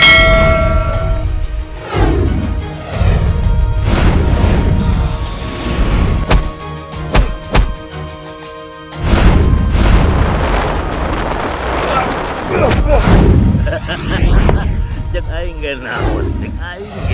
cek airnya ga ada nama cek airnya ga ada nama